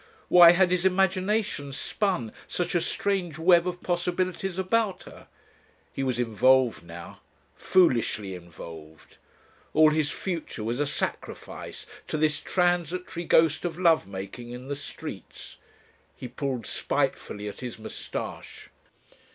Why had his imagination spun such a strange web of possibilities about her? He was involved now, foolishly involved.... All his future was a sacrifice to this transitory ghost of love making in the streets. He pulled spitefully at his moustache.